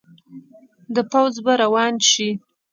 د پوځ به روان شي.